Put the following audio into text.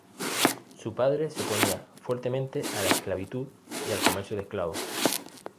Su padre se oponía fuertemente a la esclavitud y al comercio de esclavos.